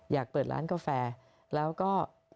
อยากเปิดร้านกาแฟแล้วก็